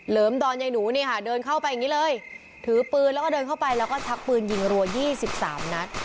เดินเข้าไปอย่างนี้เลยถือปืนแล้วก็เดินเข้าไปแล้วก็ชักปืนยิงรัว๒๓นัด